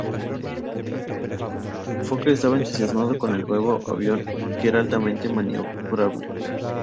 Fokker estaba entusiasmado con el nuevo avión, que era altamente maniobrable.